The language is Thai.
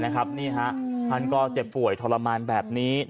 นี่ฮะท่านก็เจ็บป่วยทรมานแบบนี้